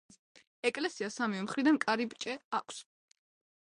ეკლესიას სამივე მხრიდან კარიბჭე აქვს.